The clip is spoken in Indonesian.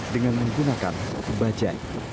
dengan menggunakan bajai